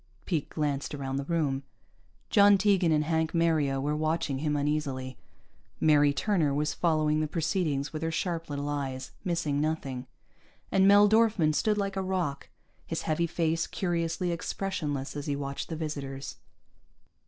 Pete glanced around the room. John Tegan and Hank Mario were watching him uneasily. Mary Turner was following the proceedings with her sharp little eyes, missing nothing, and Mel Dorfman stood like a rock, his heavy face curiously expressionless as he watched the visitors.